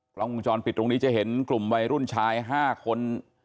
กล้องวงจรปิดตรงนี้จะเห็นกลุ่มวัยรุ่นชาย๕คน